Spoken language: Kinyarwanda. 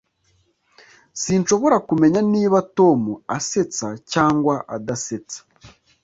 Sinshobora kumenya niba Tom asetsa cyangwa adasetsa